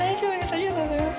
ありがとうございます。